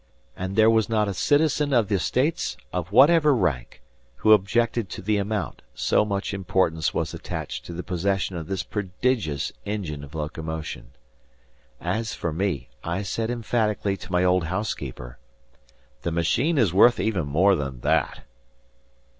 And there was not a citizen of the States of whatever rank, who objected to the amount, so much importance was attached to the possession of this prodigious engine of locomotion. As for me, I said emphatically to my old housekeeper: "The machine is worth even more than that."